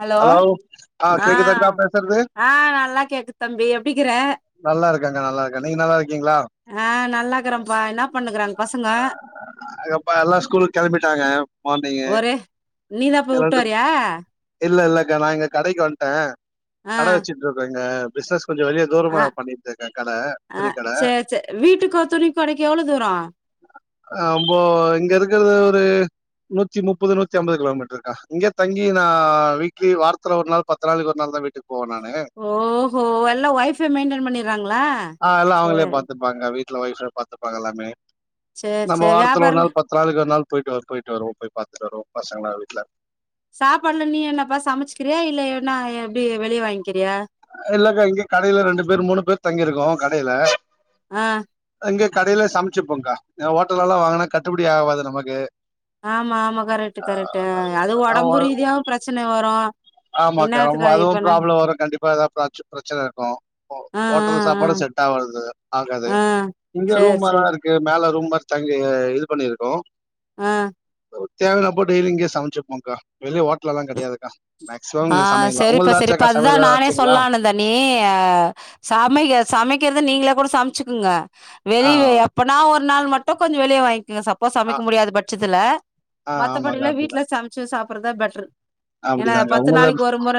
Hello ஆ கேக்குதாக்கா பேசுறது ஆ நல்லா கேக்குது தம்பி எப்டி இக்குற நல்லா இருக்கேங்க நல்லா இருக்கே நீங்க நல்லா இருக்கீங்களா ஆ நல்லாக்கறேன்ப்பா என்ன பண்ணுக்குறாங்க பசங்க ஆ எப்பா எல்லா ஸ்கூல் கெளம்பிட்டாங்க மார்னிங்கே ஒரே நீதா போய் ஏ வுட்டு ரெண்டு வரியா இல்ல இல்லக் கா நா இங்க கடைக்கு வந்ட்டே ஆ கடை வச்சுட்டு இருக்கேங்க பிசினஸ் கொஞ்சோ வெளியே தூரமா ஆ பண்ணிட்டு இருக்கே கடை ஆ துணி கடை சேர் சேர் வீட்டுக்கோ துணி கடைக்கோ எவ்ளோ தூரோ அ போ இங்க இருக்கறது ஒரு நூத்தி முப்பது நூத்தி அம்பது கிலோமீட்டர் கா இங்க தங்கி நா நா வீக்லி வாரத்துல ஒரு நாள் பத்து நாளைக்கு ஒரு நாள் தா வீட்டுக்கு போவே நானு ஓஹோ எல்லா ஒய்ஃபே மெயின்டென் பண்ணிறாங்களா ஆ எல்லா அவுங்களே சேர் பாத்துப்பாங்க வீட்ல ஒய்ஃபே பாத்துப்பாங்க எல்லாமே சேர் நம்ம சேர் வாரத்துல ஒரு வியாபாரல நாள் பாத் வாரத்துக்கு ஒரு நாள் போயிட்டு போய்ட்டு வருவோ போய் பாத்துட்டு வருவோ பசங்கள வீட்ல சாப்பாடுல நீ என்னப்பா சமைச்சுக்கிறியா இல்ல ஏனா எப்டி வெளியே வாங்கிறியா இல்லக்கா இங்க கடைல ரெண்டு பேர் மூணு பேர் தங்கியிருக்கோ கடைல ஆ இங்கே கடையிலே சமைச்சுப்போங்கா ஹோட்டலலா வாங்குனா கட்டுபடி ஆவாது நமக்கு ஆமா ஆமா கரெக்ட்டு கரெக்ட்டு அதுவு ஒடம்பு ரீதியாவு பிரச்சன வரு ஆமா கா ரொம்ப என்னாத்துக்கு அது அதுவு இப்ப நா ப்ராப்ளம் வரும் கண்டிப்பா ஏதாது பிரச் பிரச்சனை இருக்கூ ஓ ஆ ஆ ஓட்டல் ஆ சாப்பாடு செட் ஆவாது ஆகாது ஆ இங்க சேர் ரூமல்லா சேர் இருக் கு மேல ரூம் மாரி தங்கி இது பண்ணிருக்கோ அ தேவைனா போட்டு இது இங்கேயே சமைச்சுப்போங்க்கா வெளிய ஓட்டலலா கெடையாதுக்கா மேக்சிமம் ஆ இந்த சமையலா உங்கள்து ஆச்சாக்கா சமையல்தா ஆச்சுங்களா த நீ அ சமைக்க சமைக்கிறது நீங்களே கூட சமைச்சுக்கங்க ஆ வெளிய எப் ப்ப நா ஒரு நாள் மட்டு கொஞ்சொ வெளியே வாங்கிக்கங்க சப்போஸ் ஆ சமைக்க முடியாத பட்சத்துல ஆ மத்தபடி ஆமாக்கா எல்லா வீட்ல சமைச்சு சாப்பிடறதா பெட்ரு ஏன்னா அப்டிதாங்கா உ பத்து நாளைக்கு ஒரு முற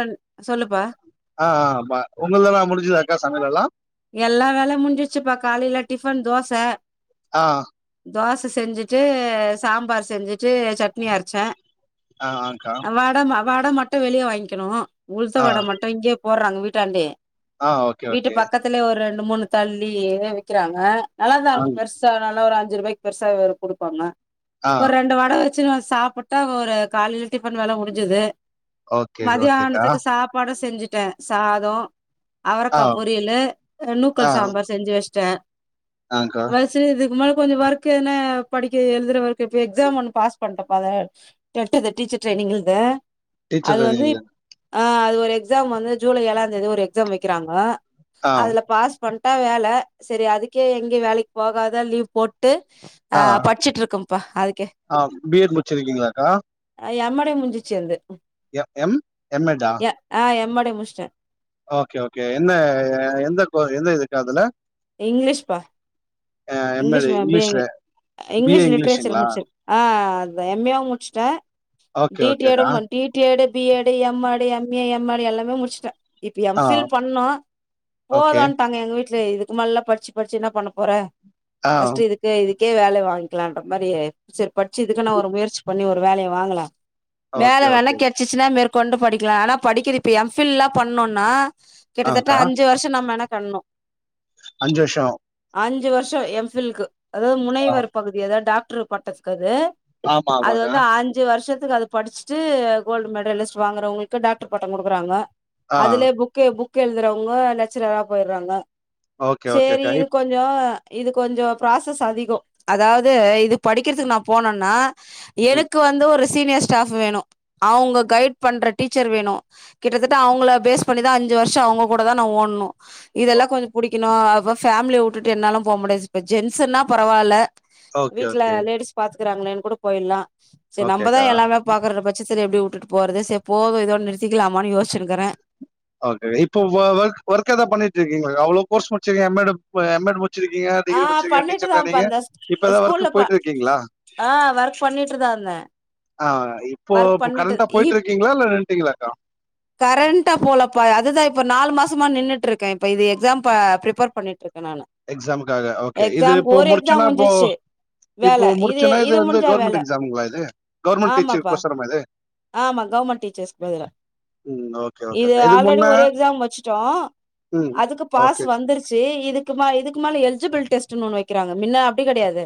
சொல்லுப்பா ஆ ஆ வ உங்கள்தல்லா முடிஞ்சுதாக்கா சமையலல்லா எல்லா வேல முடிஞ்சிச்சுப்பா காலையில டிஃபன் தோச ஆ தோச செஞ்சிட்டு சாம்பார் செஞ்சிட்டு சட்னி அரச்சே ஆ ஆன்கா வட ம வட மட்டு வெளியே வாங்க்கிணு உளுத்த ஆ வட மட்டு இங்கேயே போட்றாங்க வீட்டாண்டயே ஆ ஓகே வீட்டு ஓகே பக்கத்துலயே ஒரு ரெண்டு மூணு தள்ளி ஏ விக்கிறாங்க நல்லா ஆ தாருக்கு பெருஸ் ஸா நல்லா ஒரு அஞ்சு ரூபாய்கு பெருசாவே குடுப்பாங்க ஆ ஒரு ரெண்டு வட சின சாப்புட்டா ஒரு காலைல டிஃபன் வேல முடிஞ்சுது ஓக் மதியானத்துக்கு சாப்பாடு செஞ்சுட்டே சாதொ ஆ அவரக்கா பொரியலு நூக்கல் சாம்பார் செஞ்சு வச்ட்டே ஆங்கா சரி இதுக்கு மேல கொஞ்சோ ஒர்க்கு என்ன படிக்க எழுதுற ஒர்க்கு இப்ப எக்ஸாம் ஒண்ணு பாஸ் பண்டப்பா அத டெட் இது டீச்சர் ட்ரைனிங்கிது டீச்சர் அது வந்துப் ட்ரைனிங். ஆ அது ஒரு எக்ஸாம் வந்து ஜுலை ஏழாந்தேதி ஒரு எக்ஸாம் வைக்கிறாங்க ஆ அதுல பாஸ் பண்ட்டா வேல செரி அதுக்கே எங்கயு வேலைக் போகாத லீவ் போட்டு ஆ பட்ச்சிட்ருக்கம்ப்பா அதுக்கே ஆ பி எட் முடிச்சிருக்கீங்களாக்கா ஆ எம்மடே முட்ஞ்சிச்சி அது எம் எம் எஃட்டா ஆ எம் மடே முடிச்டே ஓகே ஓகே என்ன எந்த கோ எந்த இது கா அதுல இங்கிலீஷ்ப்பா எம் எடு இங்கிலீஷ் மே அப்டியே இங்கிலீஷ்ல பி ஏ இங்கிலீஷ் லிட்ரேச்சர் இங்கிலீஷுங்களா முடிச்சிர்க் ஆ அதா எம் ஏவும் முடிச்சுட்டே ஓகே டி டி ஓகேக்கா எட்டும் வந் D T Ed B Ed M Ed M A M Ed எல்லாமே முடிச்சுட்டே இப்ப எம் ஆ ஃபில் பண்ணனு ஓகே போதுன்ட்டாங்க எங்க வீட்ல இதுக் சும்மா எல்லா படிச்சு படிச்சு என்ன பண்ண போறே ஆ பஸ்ட்டு இதுக்கு இதுக்கே வேலை வாங்கிக்கலான்ற மாரி செரி பட்ச்சு இதுக்குனா ஒரு முயற்சி பண்ணி ஒரு ஒரு வேலைய வாங்கலா வேல ஓகே வேன்னா ஓகே கேட் ச்சுனா மேற்கொண்டு படிக்கலா ஆனா படிக்கிது இப்ப எம் ஃபில்லா பண்ணோனா கிட்டத்தட்ட ஆங்க்கா அஞ்சு வர்ஷோ நா மெனக்கெட்னு அஞ்சு வர்ஷோ அஞ்சு வர்ஷோ எம் ஃபில்க்கு அதாவது ஆ முனைவர் பகுதி அதாவது டாக்ட்ரு பட்டத்துக்கு அது ஆமா அது ஆமாக்கா வந்து அஞ்சு வர்ஷத்துக்கு அது படிச்சுட்டு கோல்டு மெடலிஸ்ட் வாங்குறவங்களுக்கு டாக்ட்ரு பட்டோ குடுக்குறாங்க ஆ அதுலே புக் கு புக் எழுதுறவுங்க லெக்சரரா போயிர்றாங்க ஓகே சேரி ஓகேக்கா இது இப் கொஞ்சோ இது கொஞ்சோ ப்ராசஸ் அதிகோ அதாவது இது படிக்கிறதுக்கு நா போனுன்னா ம் எனக்கு வந்து ஒரு சீனியர் ஸ்டாப் வேணு அவுங்க கைட் பண்ற டீச்சர் வேணு கிட்டத்தட்ட அவுங்கள ஃபேஸ் பண்ணிதா அஞ்சு வர்ஷோ அவுங்க கூடதா நா ஓட்ணு ஓ இதெல்லா கொஞ்சோ புடிக்கணு அப்ப ஃபேமிலிய வுட்டுட்டு என்னாலு‌ போ முடியாது இப்ப ஜென்ட்ஸூனா பரவால்ல ஓகே வீட்ல ஓகே லேடிஸ் பாத்துக்குறாங்களேன்னு கூட போய்ர்லா செரி நம்பதா ஓகேக்கா எல்லாமே பாக்க இருக்குற பட்சத்துல எப்டி வுட்டுட்டு போறது செரி போது இதோட நிறுத்திக்கலாமானு யோசிச்சுனுக்குறே ஓகே இப்ப ஒ ஒர்க் ஒர்க் எதா பண்ணிட்ருக்கீங்களாக்கா அவ்ளோ கோர்ஸ் முடிச்சிருக்கீங்க எம் எட் ப எம் எட் முடுச் முட்ச்சிருக்கீங்க ஆ டிகிரி முட்ச்சிருக்கீங்க டீச்சர் பண்ணிட்டுதான்ப்பா ட்ரைனிங்கு இருந்த இப்பதா ஸ்கூல்ல ஒர்க்கு பா போயிட்டு இருக்கீங்ளா ஆ ஒர்க் பண்ணிட்டுதா இருந்தே ஆ இப்போ இப்ப கரண்ட்டா இப் போயிட்ருக்கீங்களா இல்ல நின்ட்டீங்களாக்கா கரண்ட்டா போலப்பா அதுதா இப்ப நாலு மாசமா நின்னுட்டுருக்கே இப்ப இது எக்ஸாம் பா ப்ரிப்பேர் பண்ணிட்ருக்கே நானு எக்ஸாமுக்காக. ஓகே. இது எக்ஸாம் இப்போ ஒரு எக்ஸாம் முடிச்சோன்னா இப்போ முடுஞ்சிச்சு வேல இப்போ இது முடிச்சோன்னா இது வந்து முடிஞ்சா வேல கவர்மெண்ட் எக்ஸாமுங்களா இது? கவர்மெண்ட் ஆமாப் டீச்சர் பா கோசரமா இது? ஆமா கவுர்மெண்ட் டீச்சர்ஸ்க்கு பதுலா ம். ஓகே, இது ஓகேக்கா. இதுக்கு ஆல்ரெடி முன்ன ஒரு எக்ஸாம் முட்ச்சுட்டோ ம். அதுக்கு பாஸ் ஓகே. வந் ந்துருச்சு இதுக்குமா இதுக்கு மேல எலிஜிபில் டெஸ்ட்டுனு ஒண்ணு வெக்கிறாங்க மின்ன அப்டி கெடையாது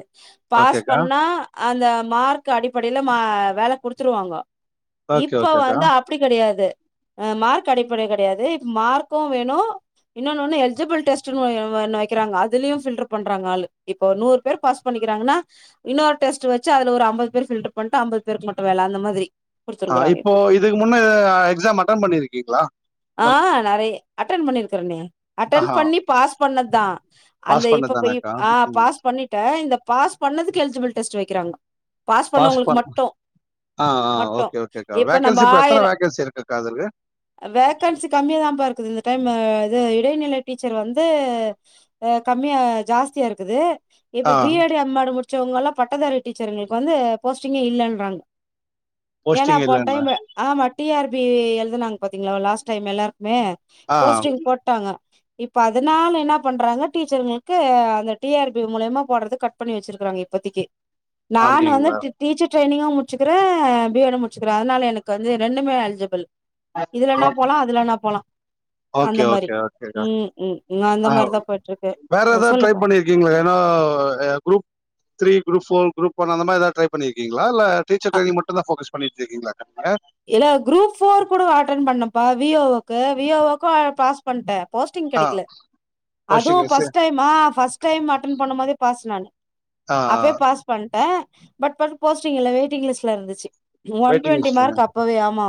பாஸ் ஓகேக்கா. பண்ணா அந்த மார்க் அடிப்படையில மா வேல குடுத்துருவாங்கோ ஓகே, இப்ப ஓகேக்கா. வந்து அப்டி கெடையாது அ மார்க் அடிப்படை கெடையாது இப்ப மார்க்கு வேணு இன்னோனு ஒண்ணு எல்ஜிபுல் டெஸ்ட்டுனு ஒண்ணு வெக்கிறாங்க அதுலயு ஃபில்ட்ரு பண்றாங்க ஆளு இப்போ நூறு பேரு பாஸ் பண்ணிக்கிறாங்கனா இன்னொரு டெஸ்ட் வச்சு அதுல ஒரு அம்பது பேர் ஃபில்ட்ரு பண்ட்டு அம்பது பேருக்கு மட்டு வேல அந்த மாதிரி ஆ குடுத்துருக்குறாங்க இப்போ இதுக்கு முன்ன அ எக்ஸாம் அட்டன் பண்ணிருக்கீங்களா ஆ நெறைய அட்டன் பண்ணிருக்குறனே அட்டன் ஆஹா. பண்ணி பாஸ் பண்ணது தா அந்த பாஸ் பண்ணது இப்ப போயி இப் தானாக்கா? ஆ ம். பாஸ் பண்ணிட் ட்டே இந்த பாஸ் பண்ணதுக்கு எலிஜிபுல் டெஸ்ட்டு வெக்கிறாங்க பாஸ் பண்ணவங்களுக்கு மட்டு ஆ ஆ மட்டு ஓகே ஓகேக்கா நம்ம வேக்கன்சி இப்ப ஆயிர எத்தன வேக்கன்சி இருக்குக்கா அதுக்கு வேக்கன்சி கம்மியாதா பா இருக்குது இந்த டைம் இது இடைநிலை டீச்சர் வந்து அ கம்மியா ஜாஸ்தியா இருக்குது ஆ இப்ப பி ஏடு எம் ஏடு முடிச்சவங்கலா பட்டதாரி டீச்சருங்களுக்கு வந்து போஸ்டிங்கே இல்லன்றாங்க ஏனா போஸ்டிங் போன் இல்லன்னா? டைமு ஆமா டி ஆர் பி எழுதுனாங்க பாத்தீங்களா லாஸ்ட் டைம் எல்லாருக்குமே ஆ போஸ்ட்டிங் போட்டாங்க இப்ப அதுனால என்ன பண்றாங்க டீச்சருங்களுக்கு அந்த டி ஆர் பி மூலியமா போட்றது கட் ட் பண்ணி வச்சிருக்காங்க இப்பத்தைக்கி நான்னு வந்து அப்டிங்களா? டீச்சர் ட்ரைனிங் முட் ச்சுக்கிறே பி எட் டு முட்ச்சுக்கிறே அதனால எனக்கு வந்து ரெண்டுமே எலிஜெபிள் ஓ இதுலனா போலா இதுலனா போலா அந்த ஓகே, மாரி ஓகே, ஓகேக்கா. ம் ம் நா அந்த மாரிதா போய்ட்ருக்கே வேற ஏதாவது ட்ரை சொல்லுப்பா இவுங்கள வேனா ஆ group three group four group one அந்த மாரி எதாது ட்ரை பண்ணிருக்கீங்ளா இல்ல டீச்சர் ட்ரைனிங் மட்டுந்தா ஃபோக்கஸ் பண்ணிட்ருக்கீங்ளா [inaudible] இல்ல குரூப் ஃபோர் கூடவ அட்டன் பண்ணெப்பா வி ஏ ஓ க்கு வி ஏ ஓ க்கு பாஸ் பண்ட்டே போஸ்டிங் ஆ கெடைக்கல அதுவு போஸ்டிங் வச்சு ஃபஸ்ட் டைம் மா ஃபஸ்ட் டைம் அட்டன் பண்ணு போதே பாஸ் நானு ஆ, ஆ. அப்பயே பாஸ் பண்ட்டே பட் பட் போஸ்டிங் இல்ல வெயிட்டிங் லிஸ்ட்லருந்துச்சு ஒன் வெயிட்டிங் ட்வெண்டி லிஸ்ட்லயா? மார்க் அப் யாமா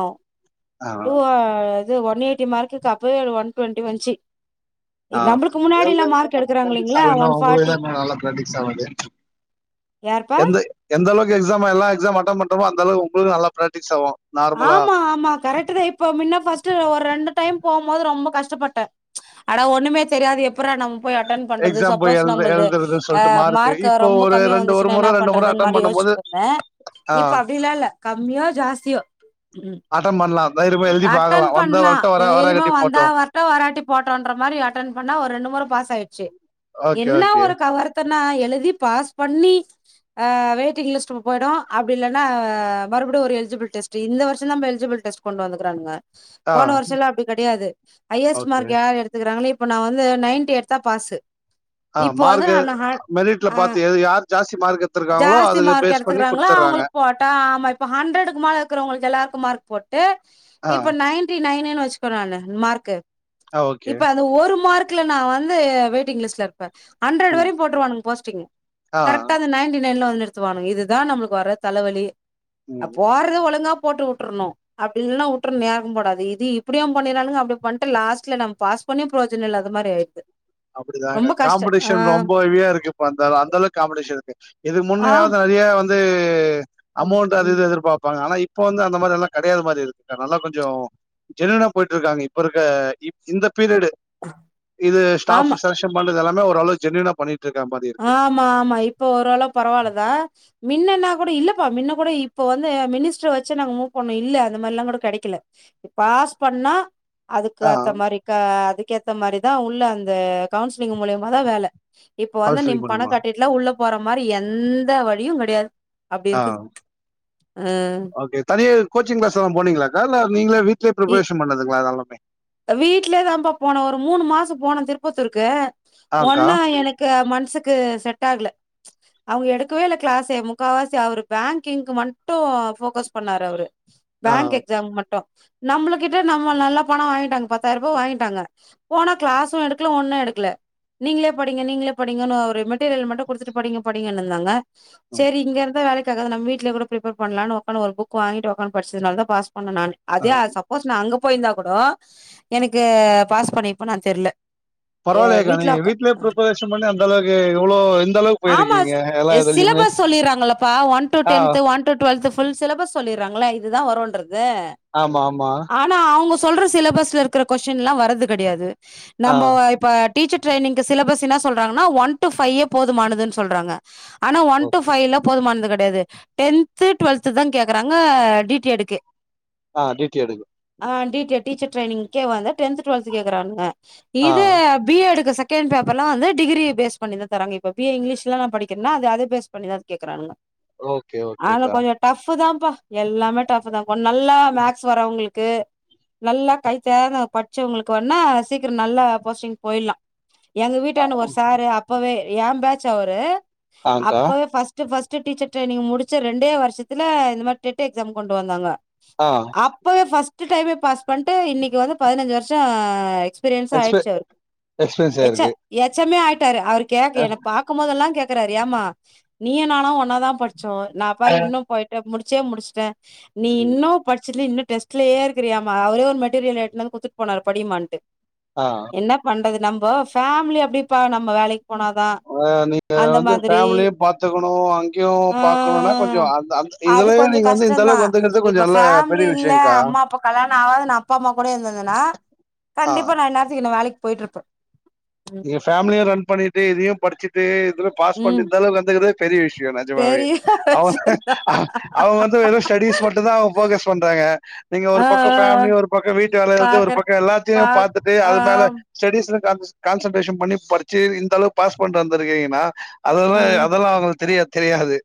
ஆ, டூ அது ஒன் எயிட்டி மார்க்குக்கு அப்பவே ஒன் ட்வெண்டி வன்ச்சு ஆ. நம்பளுக்கு எந்த முன்னாடில்லா மார்க் நல்லா எடுக்கறாங்க ப்ராக்டிஸ் இல்லங்களா ஆகும், இன்னும் ஒன் உங்களுக்கு ஃபாட்டி தான் இன்னும் நல்லா பிராக்டிஸ் ஆகுது. யாருப்பா எந்தளவுக்கு எக்ஸாம் எல்லா எக்ஸாம் அட்டன் பண்றோமோ அந்தளவுக்கு உங்களக்கு நல்லா பிராக்டிஸ் ஆகும் நார்மலா. ஆமா ஆமா கரெக்ட் தா இப்ப மின்ன பஸ்ட்டு ஒரு ரெண்டு டைம் போகும்போது ரொம்ப கஷ்டப்பட்டே அட ஒன்னுமே தெரியாது எப்புறா நம் போய் அட்டன் பண்றது எக்ஸாம் போய் சப்போஸ் எழுது நம்பள்து எழுதுறதுன்னு அ சொல்லிட்டு மார்க்கு மார்க் இப்போ ரொம்ப ஒரு கம்மியா ரெண்டு ஒரு வந்துச்சுன்னா முறை என்ன ரெண்டு முறை பண்றதுன் அட்டன் மாரி யோசிச்சி பண்ணும்போது ஆ ஆ இப்ப அப்படில்லா இல்ல கம்மியோ ஜாஸ்தியோ ம் அட்டன் பண்ணலா தைரியமா எழுதி பாக்கலா அட்டன் வந்தா பண்லா வரட்டு வரா தைரியமா வராகாட்டி வந்தா போட்டு வா வர்ட்டு வராட்டி போட்டுன்ற மாரி அட்டன் பண்ணா ஒரு ரெண்டு மொற பாஸ் ஆயிருச்சு ஓகே என்ன ஓகே ஒரு கவருத் த்தனா எழுதி பாஸ் பண்ணி ஆ வெயிட்டிங் லிஸ்ட் போயிடு அப்டி இல்லன்னா மறுபடியு ஒரு எலிஜிபில் டெஸ்ட் டு இந்த வருஷந்தா எல்ஜிபில் டெஸ்ட் கொண்டு வந்துறுக்கானுங்க ஆ போன வருஷல்லா அப்டி கெடையாது ஹையஸ்ட் ஓகே மார்க் யாரு எடுத் எத்துக்கறாங்களே இப்ப நா வந்து நைன்டி எடுத்தா பாஸு ஆ மார்க்கு மெரிட்ல ஆ பாத்து எது யார் ஜாஸ்தி மார்க் எட்த்துருக்காங்களோ ஜாஸ்தி அதுக்கு மார்க் பேஸ் பண்ணி எடுத்துக்கிறாங்களோ குடுத்துர்றாங்க அவங்களுக்கு போட்டா ஆமா இப்ப ஹண்ட்ரட்க்கு மேலருக்க உங்களுக்கு எல்லாருக்கு மார்க் போட்டு ஆ இப்ப நைன்டி நைனுனு வச்சுக்கோங்க நானு மார்க்கு ஆ ஓகே இப்ப அந்த ஒரு மார்க்குல நா வந்து வெயிட்டிங் லிஸ்ட்ல இரு ப்பே ஹன்ரட் ம் வர போட்றுவானுங்க போஸ்டிங் ஆ கரெக்டா அந்த நைன்டி நைன்ல வந்து நிறுத்துவானுங்க இதுதா நம்மளுக்கு வர்ற தலைவலி அ ம் போட்றத ஒழுங்கா போட்டு வுட்ரணு அப்டி இல்லன வுட்ரனு யாருக்கு போடாதிங்க இது இப்டியு பண்ணிரானுங்க அப்டி பண்ட்டு லாஸ்ட்ல நம்ம பாஸ் பண்ணியு பிரயோஜன இல்லாத மாரி ஆயிருது அப்டிதாங்க காம்பிடிஷன் ரொம்ப ஹெவியா இருக்கு இப்ப அந்த அந்த அளவு காம்புடிஷன் இருக்கு இதுக்கு ஆம் முன்னையாவது நிறையா வந்து ம் அமௌண்ட் அது ம் இது எதிர்பாப்பாங்க ஆனா இப் இப்ப வந்து அந்த மாதிரி எல்லா கெடையாத மாதிரி இருக்குங்க நல்லா கொஞ்சொ ஜென்னியூனா போயிட்டு இருக்காங்க இப்ப இருக்க இந்த பீரியடு இது ஆமா ஸ்டாஃப் செலக்ஷன் பண்றது எல்லாமே ஓரளவு ஜென்னியூனா பண்ணிட்டு இருக்க மாதிரி இருக்கு ஆமா ஆமா இப்ப ஓரளவு பரவால்லதா மின்னன்னா கூட இல்லப்பா மின்ன கூட இப்போ வந்து மினிஸ்டர் வச்சி நாங்க மூவ் பண்ணோ இல்ல அந்த மாரில்லா கூட கெடைக்கல பாஸ் பண்ணா அதுக்கு ஆ ஏத்த மாரி க அதுக்கேத்த மாரிதா உள்ள அந்த கவுன்சிலிங் மூலியமா தா வேல இப்ப வந்து நிம் கவுன்சிலிங் பணம் மூலியமா கட்டிட்டுலாம் உள்ள போற மாரி எந்த வழியும் கிடையாது ஆ ஓகே தனி கோச்சிங்கிளாஸ் எல்லாம் போனீங்கல்லாக்கா இல்ல நீங்களா வீட்லயே பிரிப்ரேஷன் பண்ணதுங்களா இதெல்லாமே வீட்லே தான்ப்பா போன ஒரு மூணு மாசம் போன திருப்பத்தூருக்கு ஆக்கா ஒன்னா எனக் கு மன்சுக்கு செட் ஆகல அவுங்க எடுக்கவே இல்ல கிளாஸே முக்காவாசி அவர் பேங்கிங்க்கு மட்டும் போக்கஸ் பண்ணாரு அவரு ஆ பேங்க் எக்ஸாம் மட்டும் நம்முளுகிட்ட நம்ம நல்லா பணம் வாங்கிட்டாங்க பத்தாயிரம் ரூபா வாங்கிட்டாங்க போனா கிளாசும் எடுக்கல ஒண்ணும் எடுக்கல நீங்களே படிங்க நீங்களே படிங்கன்னு ஒரு மெட்டீரியல் மட்டும் கொடுத்துட்டு படிங்க படிங்கன்னு இருந்தாங்க ம் சேரி இங்க இருந்தா வேலைக் லாம் நம் வீட்ல கூட பிப்பேர் பண்ணலான்னு உக்காந்த ஒரு புக் வாங்கிட்டு உக்காந்து படிச்சதுனாலதா பாஸ் பண்ண நானே ஆ அதே அது சப் சப்போஸ் நான் அங்க போயிருந்தா கூட எனக்கு பாஸ் பண்ணிருபேனானு தெர்ல எ பரவாயில்லக்கா வீட்ல நீங்க வீட்லயே பிரிப்பரேஷன் பண்ணி அந்த அளவுக்கு இவ்ளோ இந்த அளவு பேயிருக்கீங்க எல்ல இதுலையுமே சொல்லிடுறாங்களப்பா one to tenth one to twelfth full syllabus சொல்லிடுறாங்கள இதுதான் வரும்ன்றது ஆமாம்மா ஆனா அவுங்க சொல்ற சிலபஸ்ல இருக்கிற கொஸ்சின்ல்லா வர்றது கடையாது ஆ நம்ம இப்ப டீச்சர் ட்ரைனிங்க்கி சிலபஸ் என்னா சொல்றாங்கன்னா ஒன் டூ ஃபையே போதுமானதுனு சொல்றாங்க ஆனா ஒன் டு ஓகே ஃபைவ்லப் போதுமானது கடையாது டென்த்து டுவல்த்துதா கேக்குறாங்க டி டி யேட்க்கு ஆ டிட்டிஎடு ஆ டி டி எட் டீச்சர் ட்ரைனிங்கே வந்து டென்த் டுவல்த் கேக்குறானுங்க ஆ இது பிஎடுக்கு செகண்ட் பேப்பர்லா வந்து டிகிரிய பேஸ் பண்ணிதா தராங்க இப்ப பி ஏ இங்கிலீஷ்ல்லாம் நா படிக்கிறனா அது அது பேஸ் பண்ணிதா கேக்குறானுங்க ஓகே ஆனா ஓகேக்கா கொஞ்ச டஃப்தாப்பா எல்லாமே டஃப்தா கொஞ் நல்லா மேக்ஸ் வரவங்களுக் க்கு நல்லா கைதேர படிச்சவுங்களுக்கு வேனா சீக்கிரம் நல்ல போஸ்டிங் போய்லாம் எங்க வீட்டாண்ட ஒரு சாரு அப்பவே என் பேச்சு அவரு ஆங்க்கா அப்பவே ஃபஸ்ட் ட்டு ஃபஸ்ட்டு டீச்சர் ட்ரைனிங் முடிச்ச ரெண்டே வருஷத்துல இது மாறி டெட்டு எக்ஸாம் கொண்டு வந்தாங்க ஆ அப்பவே ஃபஸ்ட் டைமே பாஸ் பண்ட்டு இன்னிக்கி வந்து பதினஞ்சு வருஷம் எக்ஸ் பிரியன்சு எக்ஸ்ப ஆயிடுச்சு அவர்க்கு எக்ஸ்பீரியன்ஸ் எச்ச ஆயிருக்கு எச்சமே ஆயிட்டாரு அவுரு கேக அ என்ன பா பாக்கும் போதெல்லாம் கேக்குறாரு ஏம்மா நீயு நானு ஒன்னா தான் படிச்சோம் நான் பாரு இன்னும் போய் முடிச்சே முடிச்சிட்டேன் நீ ம் இன்னும் படிச்சிட்டு இன்னும் டெஸ்ட்லயே இருக்கிறியேம்மா அவரே ஒ மெட்டீரியல் எட்னு வந்து குத்துட்டு போனாரு படிமான்ட்டு ஆ என்ன பண்றது நம்ப ஃபேமிலியா அப்டிப்பா நம்ம வேலைக்கு போனாதான் நீங்க வந்து ஃபேமிலியும் பாத்துக்கணும் அங்கேயும் பாக்கணும்னா ஆ கொஞ்சோ அந்த அந்த அது இதுலயே கொஞ்சோ நீங்க வந்து இந்த கஷ்டம் அளவுக்கு தான் வந்துக்கறது கொஞ்சோ இப்ப நல்ல ஃபேமிலி பெரிய இல்ல விஷயங்க்கா அம்மாப்பா கல்யாணம் ஆகது நா அப்பா அம் ம்மாகூடயே இருந்துயிருந்தன்னா ஆ கண்டிப்பா நா இன்நேரத்துக்கு இன்னவேலைக்கி போய்ட்டு இருப்ப நீங்க ஃபேமிலியும் ரன் பண்ணிட்டு இதையும் படிச்சுட்டு இதுவே பாஸ் பண்ணிட்டு ம் இந்தளவு வந்துக்குது பெரிய விஷ்யம் நெஜமாவே பெரிய அவன் விஷயந்தா அ அவுங்க வந்து வெறு ஸ்டடிஸ் மட்டுந்தான் அவுங்க ஃபோக்கஸ் பண்றாங்க நீங்க ஒரு ஆ ஆ பக்கம் ஆ ஃபேமிலி ஒரு பக்கம் வீட் ட்டுவேலைய இருந்து ஒரு பாக்குறே பக்கம் பா எல்லாத்தையும் பாத்துட்டு ஆ அது மேல ஸ்டடிஸ்சும் கான்ஸ் கான்சன்ட்ரேஷன் பண்ணி படிச்சி இந்தளவுக்கு பாஸ் பண்ட்டு வந்திருக்கீங்கன்னா ஆ அதெல்லாம் அதெல்லாம் அவுங்களுக்கு தெரியா தெரியாது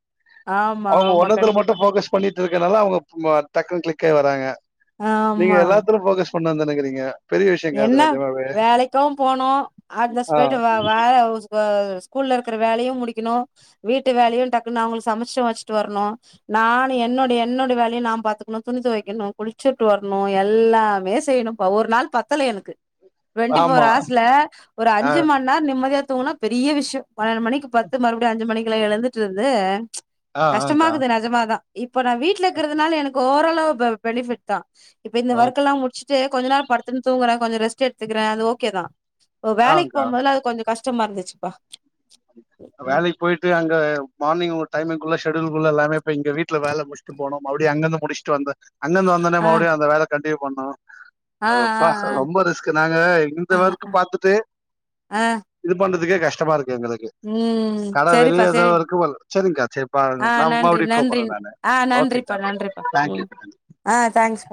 ஆமா அவுங்க ஆமா ஒண்ணுத்துல கண்டிப்பா மட்டும் கண் ஃபோக்கஸ் பண்ணிட்டு இருக்கனால அவுங்க டக்குனுக் கிளிக் ஆயி வராங்க நீங்க ஆமா எல்லாத்துலு ஃபோகஸ் பண்ணல தா நெனைக்கிறீங்க பெரிய விஷயங்க அது என்னா நெஜமாவே வேலக்கி போணு ஆ அட்தஸ்பைட் வ வ [unintelligible] ஸ்கூல்ல இருக்க வேலயு முடிக்கிணு வீட்டு வேலயு டக்குன்னு அவுங்களுக்கு சமச்சு வச்சுடு வர்ணு நானு என்னோடைய என்னோடைய வேலய நா பாத்துக்குணு துணி துவைக்கணு குளிச்சுட்டு வர்ணு எல்லாமே செய்யுணு ப்ப ஒரு நாள் பத் பத்தல எனக்கு டொன்டிஃபோர் ஆமா அர்ஸ்ல ஒரு ஆ அஞ்சு மண்நேர் நிம்மதியா தூங்குனா பெரிய விஷ்ய பன்னெண்டு மணிக்கு பத்து மறுபடியு அஞ்சு மணிக்குலா எழுந்துட்டு இருந்து ஆ ஆங்க்கா கஷ்டமாக்குது நெஜமாதா இப்ப நா வீட்டுல இக்கறதுனால எனக்கு ஓரளவு பெ பெனிபிட் தா இப்ப இந்த ஓ ஒர்க்கெல்லா முடிச்சு ட்டு கொஞ்சநாள் படுத்து தூங்கற கொஞ்ச ரெஸ்ட்டு எடுத்துக்குற அதுஓகே தா வேலக் போ ஆங்க்கா போதுலா அது கொஞ்ச கஷ்ட கஷ்டமா இருந்துச்சுப்பா ம். வேலக்கி போயிட்டு அங்க மார்னிங் ஒரு டைம்முக்குள்ள ஷெடியூல்க்குள்ள எல்லாமே இப்ப இங்க வீட்டுல வேல முடிஸ்ட்டு போனோ மறுபடி அங்கந்து முடிஸ்ட் டு வந்த அங்கந்து வந்தவுன்னே ஆ, மறுபடியு அந்த வேல கண்டின்யூ பண்ணு ஆ, அது ஆ, ஒப்பா ஆ, ரொம்ப ரிஸ்க்கு நாங்க இந்த ஆ, வர்க்கு பாத்துட்டு ஆ. இது பண்றதுக்கே கஷ்டமா இருக்கு எங்களுக்கு ம் கட செரிப்பா வெளிய ஏதோ செரி இருக்கு போல சரிங்க்கா சரிப்பா ஆ நா நன்றி மறுபடியு நன்றி கூப்பட்றே நானு ஆ நன்றி ப்பா ஓகேக்கா நன்றிப்பா ம் தேங்க்யூக்கா ஆ தேங்க்ஸ்